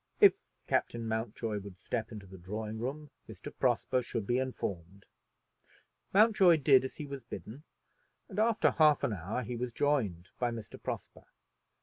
If Captain Mountjoy would step into the drawing room Mr. Prosper should be informed. Mountjoy did as he was bidden, and after half an hour he was joined by Mr. Prosper.